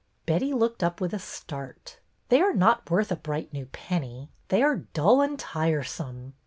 Betty looked up with a start. '' They are not worth a bright new penny; they are dull and tiresome."